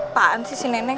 apaan sih si neneng